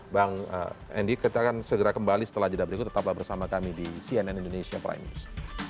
bang andi kita akan segera kembali setelah jeda berikut tetaplah bersama kami di cnn indonesia prime news